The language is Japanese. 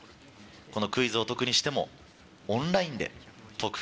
このクイズを解くにしてもオンラインで解く。